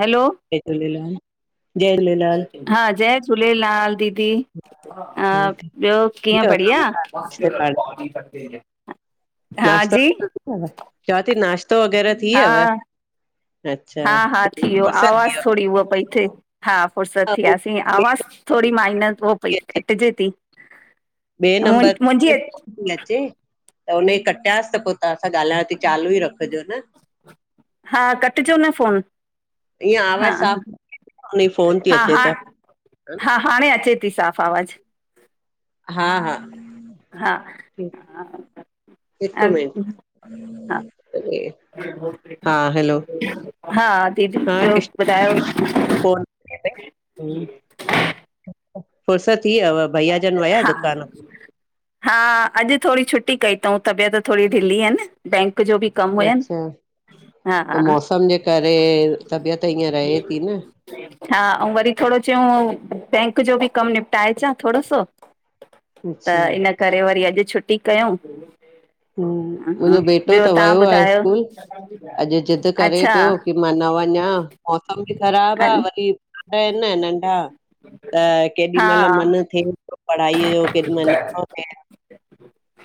Hello जय झूलेलाल -जय झूलेलाल जय झूलेलाल दीदी हा ठीक ॿियो कीअं? आ कम बढ़िया कार नाश्ते पाणी हा नाश्तो जी चवां थी, नाश्तो वग़ैरह थी हा तव? हा -हा थी वियो आवाज़ थी थोरी उहा पई थिए। हा फ़ुर्सत थी वियव? यासीं, आवाज़ थोरी माइनर हो पई कटिजे थी। ॿिए मु नंबर मुंहिंजी ते फोन थी अचे, त हुन जी कटियासि त पोइ तव्हांसा ॻाल्हायां थी चालू ई रखजो न। हा, कटिजो न फ़ोन ईअं आवाज़ हा-हा। साफ़ हुनजी फोन थी हा अचे -हा, त हा हाणे अचे थी साफ़ु आवाज़ु। हा- हा हा हा हिकु मिंट ह अरे! हा दीदी! ॿियो ॿुधायो फ़ोन फुर्सत थी यव भइया जन विया हा दुकान? हा, अॼु थोरी छुटी कई तऊं तबियत थोरी ढीली हुयन बैंक जो बि कमु हुयनि अच्छा त हा मौसम जे करे तबियत ईअं रहे थी न। हा ऐं वरी थोरो चयऊ, बैंक जो बि कमु निपटाए अचां थोरो सो त अच्छा इन करे वरी अॼु छुटी कयूं। ह हा, मुंहिंजो बेटो ॿियो त तव्हां वियो आहे ॿुधायो स्कूल, अॼु ज़िदु करे अच्छा पियो की मा नवञा मौसम बि ख़राबु आ वरी ॿार आहिनि न नंढ़ा त केॾी हा महिल मन थिए थो पढ़ाईअ जो, केॾी महिल नथो थिए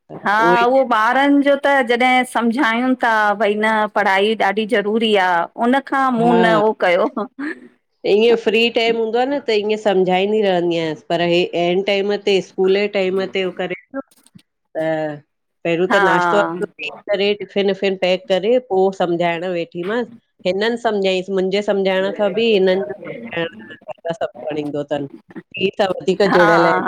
त हा ई उहो ॿारनि जो त जॾहिं सम्झायूं था भई न पढ़ाई ॾाढी ज़रूरी आ उन खां मूं हा न उहो कयो। ईअं फ्री टाइम हूंदो आहे न त ईअं सम्झाईंदी रहंदी आयांसि पर हे ऐं टाइम ते स्कूल जे टाइम तेहो करे पियो त, पहिरियों त हा नाश्तो -वाश्तो ॾेई करे टीफिन पैक करे पो सम्झाइण वेठी मास, हिननि समझायस मुंहिंजे समझाइण खां बि बि हिननि जो सभु खणीं ईदो अथनि [inaudible] इहे त वधीक हा जुड़ियल आहिनि।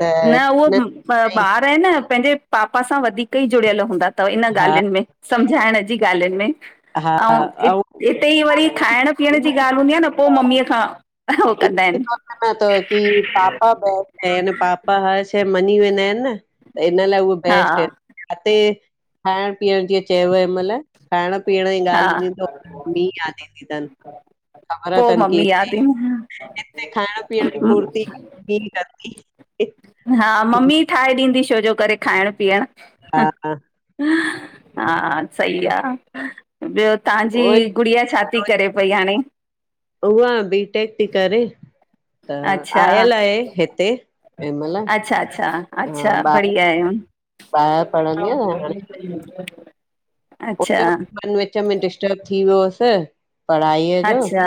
त न उहो हिननि ॿार आहे न पंहिंजे पापा सां वधीक ई जुड़ियल हूंदा तव इन हा ॻाल्हियुनि में सम्झाइण जी ॻाल्हियुनि में। हा अउं इ ऐं हिते ई वरी खाइण पीअण जी ॻाल्हि हूंदी आ न पो मम्मीअ खां हो कंदा आहिनि सच तव की पापा ब आहिनि, पापा हर शइ मञी वेंदा आहिनि न। त इन लाइ उहे हा बेस्ट आहिनि, इते खाइण पीअण जीअं चयव हिन महिल खाइण पीअण जी हा ॻाल्हि हूंदी त मम्मी यादि ईंदी तनि। ख़बर पोइ अथनि की मम्मी हिते याद ईंदी हिते खाइण पीअण जी पूर्ती, हिय ही कंदी। हा मम्मी ठाहे ॾींदी छोजो करे खाइणु पीअणु। हा हा हा सही आहे। आ, ॿियो उहो ई तव्हांजी गुड़िया छा ती? चरे पई हाणे उहा बीटेक ती, करे त अच्छा आयल आहे हिते ऐं महिल अच्छा अच्छा अच्छा, बढ़िया आहे। ॿाहिर पढ़ंदिया न हाणे [unintelligible] अच्छा उते मन विच में डिस्टब थी वियो हुसि पढ़ाई य जो अच्छा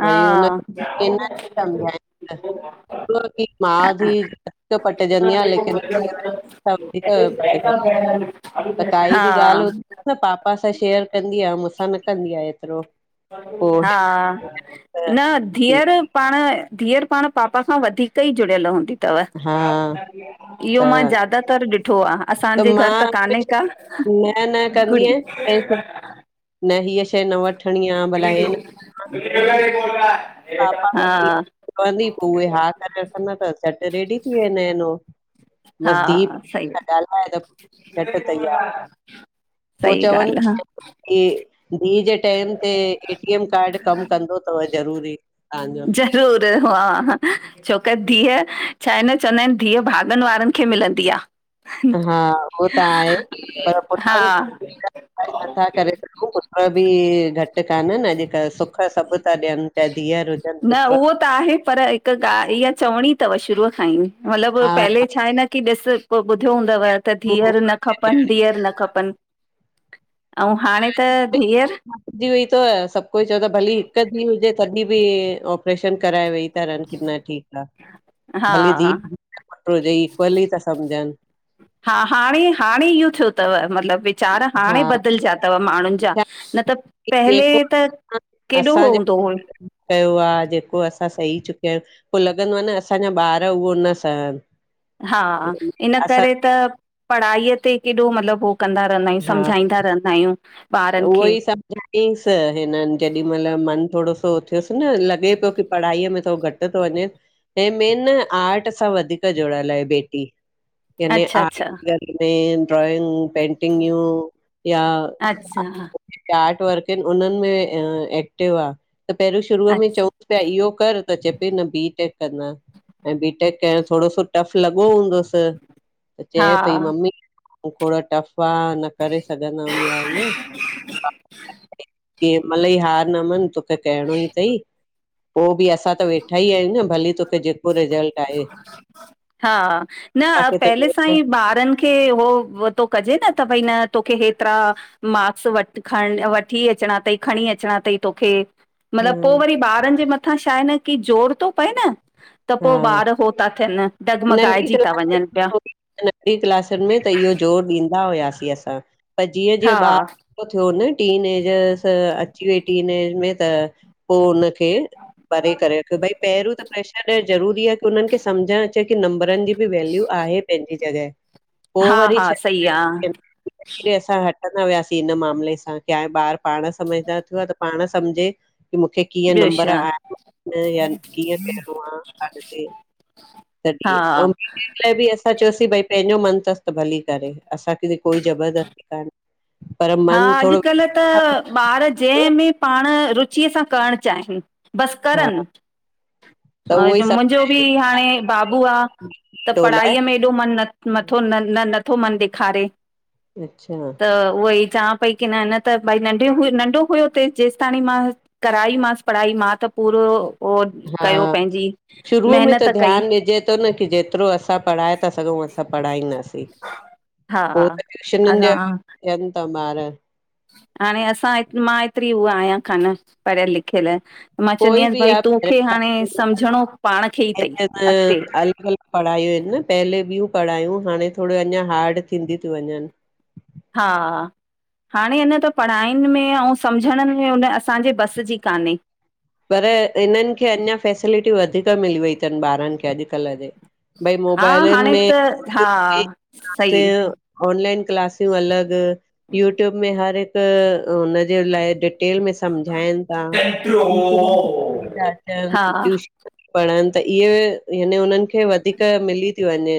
हा वरी हुन खेन समझाईंदा [unintelligible] माउ थीअ पटिजंदी आहेय, लेकिन सब वधीक पटजंदी तन, त काई ॿि हा ॻाल्हि हूंदी न पापा सां शेयर कंदी आ मूसां न कंदी आ एतिरो हा पोइ न की धीअरु पाण, धीअरु पाण पापा खां वधीक ई जुड़ियल हूंदी तव हा त इहो मां ज्यादातर ॾि ठो आ असांजे घरु मां त काने हमेशा का न न कंदी आहियां गुड़िया न हींअ शेह न वठणी आ भला हेन पापा खे हा चवंदी पो उहे हा करे रखंदा, त झट रेडी थी वेंदा इन हो हा बसि धीउ सई आ ॻाल्हाए त झटि तई आ सई ॻाल्हि आ कि धीअ जे टेम ते ए टी एम कार्ड कमु कंदो तवु जरूरी तव्हांजो रूरु ह हा हा छोक धीअ, छा एन चवंदा इन धीअ भाॻनि वारनि खे़ मिलंदी आ हा, उहो त आहे पर हा पुट्रन खे नथा करे सघूं पुट बि घटि कान न अॼुकल्ह सुख सभु ता ॾियन प्या धीअर हुजनि न पुट उहो त आहे पर हिकु ॻाल्हि इह चवणी तव शुरू खां ई मतलबु हा पहले छा आहे न की ॾिस पो ॿुधो हूंदव त धीअर न खपनि, धीअर न खपनि अउ हाणे त धीअर धी हुई तव सभु कोई चंवदो आ भली हिकु धीअ हुजे तॾहिं बि औ ऑपरेशन कराए वेइ ता रहनि न ठीकु आ, हा भलीे धीउ पतो हुजे इक्वली ता समझनु हा हाणे, हाणे इयो थियो तव मतलबु विचार हाणे हा बदिलजिया तव माण्हुनि जा छा न त आहे पहले जेको त केॾो असां हो जेको हूंदो हो कयो आ जेको असां सही चुकिया यूं पो लॻंदो आन असांजा ॿार उह न सहन हा इन करे त पढ़ाईअ ते केॾो मतलब हो कंदा रहंदा आयूं हा समझाईंदा रहंदा आयूं। त उवई समझाईंनस हिनन खे जेॾी मल मन थोरो सो थियुस न लॻे तो कि पढ़ाई में थोरो घट तो वञे, हे मेन न आर्ट सां वधीक जुड़ियल आहे बेटी याने अच्छा अच्छा आर्ट घर मेन ड्राईंग, पेंटिंगयूं या अच्छा हा इते आर्ट वर्क हिन उनन में अ एक्टिव आ त पहिरियू शुरू में अच्छा चऊं त इयो कर त चए पेई न बी टेक कना ऐं बीटेक कए थोरो सो टफ़ लॻो हूंदस त चए पई हा मम्मी थोरा टफ़ आ, न करे सघंदम या ईअं किह हिमल ई हार न मन तोखे कहणो ई थई पो ॿि असां वेठा ई एन न, भली तोखे जेको रिज़ल्ट आहे। हा, न पहले सां ई ॿारन खे हों, व तो कजे न त भई न तोखे हेतरा माक्स वठ खण वठी अचणा तई, खणी अचणा तई तोखे। हा मतलब, पो वरी ॿारन जे मथां छाहे न की जोर तो पए न। त पो हा ॿार हो ता थियन नंढी [unintelligible] क्ल नंढी क्लासन में त इयो जो ॾौ ॾिदा हुआसीं असां, पर जीअं जीअं हा ॿार थीयो न टिनएजर्स त, अची वई टीनएज में त पो हुनखे, परे करे रखयो भई पहरियों त प्रेशर ॾियणु ज़रूरी आह की उनंखे सम्झण अचे कि नमबरन जी बि वैल्यू आहे पंहजी जॻह। पो हा वरी हा छॾ सही आहे [unintelligible] असां हट कंदा वियासीं इन मामले सां, की हाणे ॿार पाण सम्झदार थियो आह त पाण सम्झे की मूंखे कीअं ॿियो नंबर छा आ [unintelligible] या कीअं त्वहांं अगते हा तॾीअ [unintelligible] इन लाइ बि असां चयोसि भई पेंजो मन तस त भली करे, असांखे बि कोई ज़बरदस्ती कान्हे। पर हा मन थोरो अॼकल्ह त ॿार जंह में पाण रुचीअ सां करण चाहिन, बस हा करन। त उहो ई [unintelligible] सभु मुंजो बि हाणे बाबू आह, त लाइ पढ़ाईअ में ॾो मन, न नथो, न न नथो मन ॾेखारे। अच्छा त उहोई चवां पई की न, न त भई नंढे हुय नंढो हुयो तेस जेस ताणी मां कराई मांस पढ़ाई मां त पूरो ओ हा कयो पंहिंजी, शुरूअ में महनत कई। ध्यानु ॾिजे त न की जेतरो असां पढ़ाए था सघूं असां पढ़ाईंदास। हा पो त ट्यूशनन जे असां हवाले थियन था ॿार। हाणे असां मां एतरी उहा आयां कान, पढ़यल लिखियल। मां चवंदी कोई आयस बि भाई आहे तोखे हाणे समझणो पाण खे ई तई अॻते। अलॻि अलॻि पढ़ायूं ईन न पहले ॿियूं पढ़ायूं, हाणे थोॾे अञा हार्ड थींदि थियूं वञन। हा। हाणे हिन् त पढ़ाइन में अऊं सम्झण में उन असांजे बस जी कान्हे। पर हिननिखे अञा फैसिलिटी वधीक मिली वई थनि, ॿारनि खे अॼुकल्ह जे। भई हा मोबाइलनि हाणे में त [unintelligible] हा ब सही में ऑनलाइन क्लासियूं अलॻि, यूट्यूब में हर त हुनजे लाइ डिटेल में सम्झाइनि ता [unintelligible] ट थ हा अचनि पढ़नि त इहे याने उननि खे वधीक मिली थी वञेनि,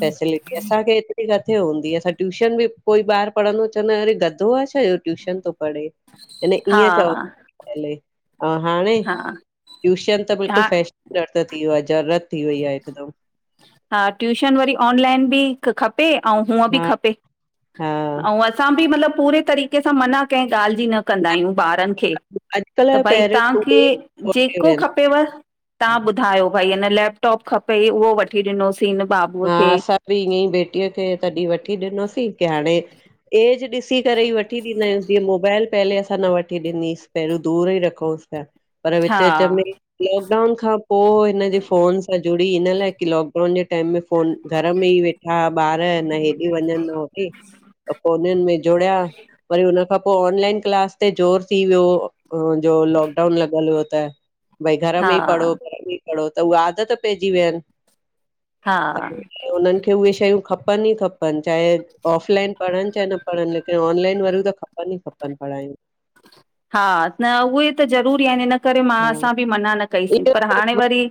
फैसिलिटी असांखे एतिरी काथे किथे हूंदी हुई, असां ट्यूशन बि कोई ॿार पढ़ंदो हो चवंदा हा अरे गधो आहे छा जो ट्यूशन तो पढ़े। हा हले ऐं हाणे, हा टूशन त हा बिल्कुलु फैशन [unintelligible] थी वियो आहे, ज़रूरत थी वई आहे हिकदमि हा ट्यूशन वरी ऑनलाइन बि त खपे, अऊ हूअं बि हा खपे, हा अऊ असां बि मतिलबु पूरे तरी कि असां मना कहिं ॻाल्हि जी न कंदा आहियूं ॿारन खे। त अॼुकल्ह भई पेरेंट्स तव्हांखे उहे ई मोटिव जेको आहिनि खपेव, तव्हां ॿुधायो। भई हिन लैपटॉप खपई, उहो वठी ॾिनोसींन बार हा असां बि ईअं ई बेटीअ खे तॾहिं वठी ॾिनोसीं, की हाणे एज ॾिसी करे ई वठी ॾींदा आहिनि, जीअं मोबाइल पहले असां न वठी ॾिनीसि, पहिरियों दूर ई रखूंसि पिया, पर हा विच-विच में लॉकडाउन खां पोय हिन जे फ़ोनु सज्जो ॾींह, हिन लाइ की लॉकडाउन जे टाइम ‌में फोन घर में ई वेठा ॿारु, न हेॾे वञनि होॾै अ फ़ोनुनि में जुड़िया वरी हुन खां पो ऑनलाइन क्लास ते जोर थी वियो, हुनजो लॉकडाउन ल ॻल वताए भई, घर में हा ई पढ़ो, घर में ई पढ़ो त उ आदत पंहिंजी वियनि हा उन्हनि खें उहे शेयूं खपनि ई खपनि चाहे ऑफलाइन पढ़नि चाहे न पर लेकिन ऑनलाइन वारियूं त खपनु ई खपनि पढ़ाइन हा न उवे त जरूरी आहिनन करे मां हा असां बि मना न कईसीं, इहो पर हाणे त वरी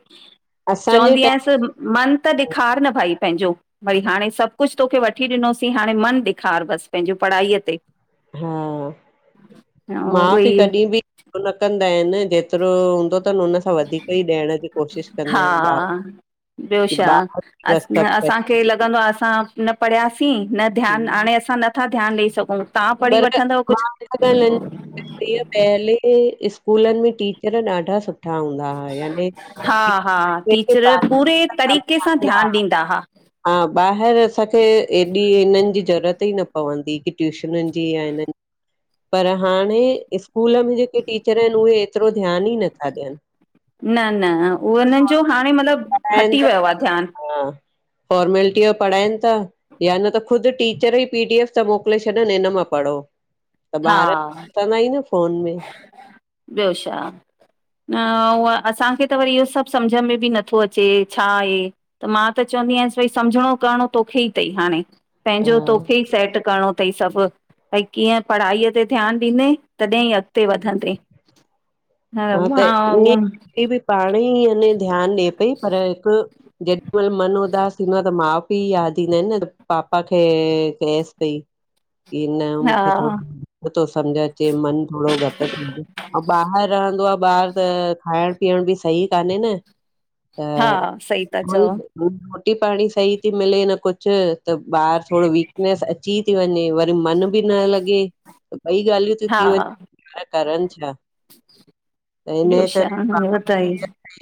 असांजे चवंदी टाइम आयसि मन त ॾेखार न भई पंहिंजो वरी हाणे सभु कुझु तोखे वठी ॾिनोसीं, हाणे मन ॾेखार बसि पंहिंजो पढ़ाईअ ते। हा माउ- उहोई पीउ कॾहिं बि न कंदा आहिनि। जेतिरो हूंदो अथनि उनखां वधीक ई ॾियण जी कोशिशि कंदा हा आहिनि ॿार ॿियो ी ब सभ [inaudible] लगंदो आ, असां न पढ़ियासीं न ध्यानु हाणे असां नथा ध्यानु ॾेई सघूं। तव्हां पढ़ी पर वठंदव कुझु मां पहिले स्कूलनि में टीचर ॾाढा सुठा मठा हूंदा ह याने, [inaudible] हा हा टीचर पूरे तरीक़े सां ध्यानु ॾींदा हा हा ॿाहिरि असांखे एॾी हिननि जी ज़रूरत ई न पवंदी की ट्यूशनुनि जी जीअ हिन पर हाणे स्कूल में जेके टीचर आहिनि उहे एतिरो ध्यानु ई नथा ॾियनि। न -न उहो हिननि जो हाणे मतलबु हटी बसि फॉर्मेलिटी पढ़ाइनि था वियो त आहे ध्यानु। हा फॉर्मेलिटी जो पढ़ाइनि था, या न त ख़ुदि टीचर ई पी डीएफ था मोकिले छॾनि हिन मां पढ़ो त हा ॿार कंदा ई न फ़ोन में ॿियो शा। न उहा असांखे त वरी इहो सभ समझ में बि नथो अचे छा आहे? त मां त चवंदी आयांस भई समझणो करणो तोखे ई तई हाणें। पंहिंजो हा तोखे ई सेट करणों तई सभ। भई कीअं पढ़ाईअ ते ध्यान ॾींदे तॾहिं अगते वधंदे हा [unintelligible] पाणे ई याने ध्यान ॾे पई पर हिक जेॾीमल मन उदास थींदो आह त मा पी याद ईंदा आहिन न पापा खे चएस पई। इ न हा मूंखे थोरो थो समझ अचे मन थोडो घट [unintelligible] ऐं ॿाहर रहंदो आह ॿार त खाएंण पीअण बि सही कान्हे न हा त सही था चओ उई रोटी पाणी सही थी मिले न कुछ त ॿार थोडो वीकनेस अची ती वञे वरी मन बी न लॻे ॿई ॻाल्हियूं हा [unintelligible] करन छा त हिनजे ॿियो छा करे ॿुधायो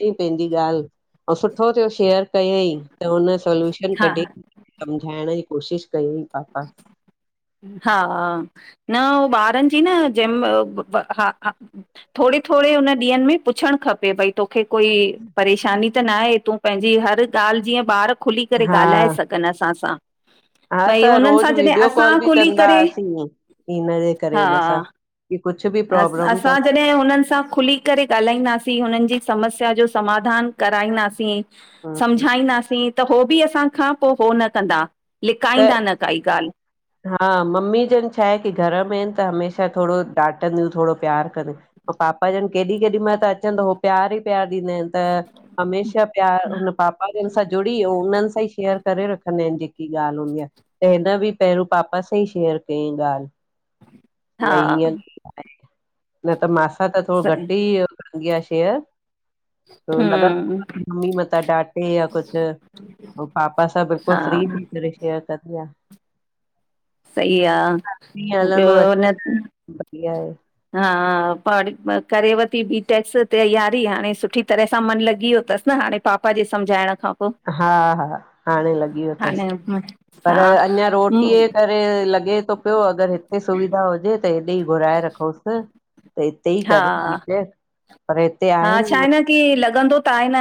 ई पंहिंजी ॻाल्ह ऐं सुठो थयो शेयर कयंई त हुन सोल्यूशन हा कॾयई समझायण जी कोशिश कंदी पापा हा न उह ॿारन जी न जेम हा हा थोडी थोडी हुन ॾींहंन में पुछण खपे भई तोखे कोई परेशानी त नाहे तूं पंहिंजी हर ॻाल्ह जीअं ॿार खुली करे हा ॻाल्हाए सघे। कन असां सां। हा भई असां हुनन सां रोज़ जॾी अ वीडियो कॉल बि कंदाअसीं हिन करे हुन सां की कुछ बी अ असां जॾहे हुनन सां खुली करे ॻाल्हाईंदासीं हुनन जी समस्या जो समाधान कराईंदासीं समझाईंदासीं त हो बी असांखां पो हो न कंदा। त लिकाईंदा न काई ॻाल्ह। हा मम्मी जन छा आहे की घर में ईन त हमेशा थोडो डाटंदियूं थोडो प्यार कंदियूं पो पापा ॼन केॾी केॾी माल त अचन त ओ प्यार ई प्यार ॾींदा आहिन त हमेशा ही प्यार हुन पापा जन सां जुड़ी ऐं उन्हन सां ई शेयर करे रखंदा आहिन जेकी ॻाल्ह हूंदी आह त हिन बी पेहरव पापा सां ई शेयर कईं ॻाल्ह हा भई हिंअं [unintelligible] न त मासां त थोडो सही, घट ई कंदी आह शेयर त हम्म लगत बी मतां ॾाडे [unintelligible] पो पापा सा बिल्कुल हा फ्री थी करे शेयर कंदी आ। सही आह ॿियो अचे न बढ़िया आहे। हा पांण करे वती बी टेक्स तैयारी हाणे सुठी तरह सां मन लॻी वयो तस न हाणें पापा जे समझाइण खां हा हा हाणे लॻी वयो हाणें [unintelligible] पर अञा रोटीअ जे करे लॻे तो पियो अगर हिते सुविधा हुजे त हितेई घुराए रखंउस त हिते ई हा करे ॾीद हा छा आहे न की लॻंदो त आहे न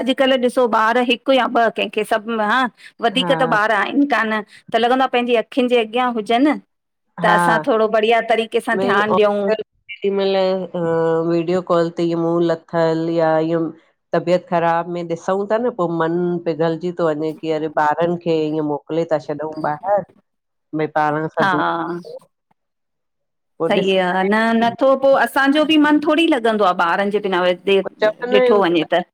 अॼुकल्ह ॾिसो ॿार हिक या ॿ कंहिंखे सभ हां वधीक हा त ॿार आहिन कान त लॻंदो आह पंहिंजी अखिंन जे अॻियां हुजन त हा असां थोड़ो बढ़िया तरी मेन औपचारिक केॾी महिलु वीडियो कॉल ते इ मुंहुं लथल या इअ तबियत ख़राब में ॾिसूऊं ता न, पोइ मन पिघल जी तो वञे की अरे ॿारनि खे ईअं मोकिले था छॾऊं ॿाहिरि, भई ॿारनि सां दूर हा पोइ ॾिस सही आ, न नथो पोइ असांजो बि मनु थोरी लॻंदो आ ॿारनि जे बिना वरी। चवंदा आहियूं ॾिठो वञे त।